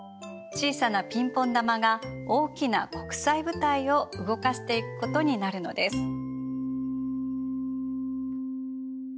小さなピンポン球が大きな国際舞台を動かしていくことになるのです。